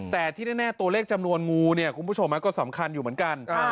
แต่ที่แน่ตัวเลขจำนวนงูเนี่ยคุณผู้ชมก็สำคัญอยู่เหมือนกัน